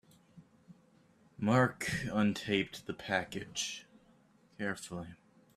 Mark untaped the package carefully.